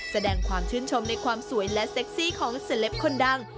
แสดงความชื่นชมในความสวยและเซ็กซี่ของเซลปคนดัง